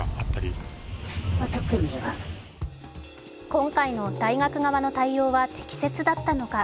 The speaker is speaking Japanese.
今回の大学側の対応は適切だったのか。